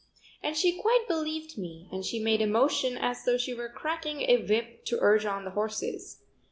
And she quite believed me and she made a motion as though she were cracking a whip to urge on the horses.